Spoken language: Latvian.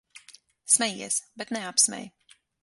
Smejies, bet neapsmej.